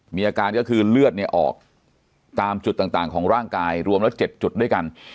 มีอาการก็คือเลือดเนี่ยออกตามจุดต่างของร่างกายรวมแล้ว๗จุดด้วยกัน